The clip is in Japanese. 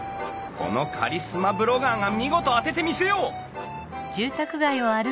このカリスマブロガーが見事当ててみせよう！